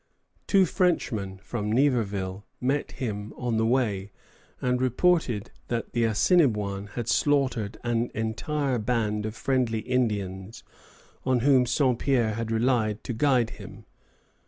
Two Frenchmen from Niverville met him on the way, and reported that the Assinniboins had slaughtered an entire band of friendly Indians on whom Saint Pierre had relied to guide him.